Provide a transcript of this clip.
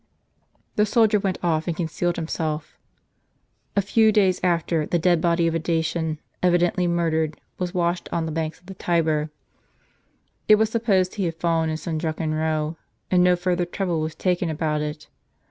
The soldier went off, and concealed himself. A few days * The name of the Emperor. c:^ a after, the dead body of a Dacian, evidently murdered, was washed on the banks of the Tiber. It was supposed he had fallen in some drunken row; and no further trouble was taken about it.